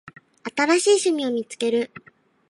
新しい趣味を見つける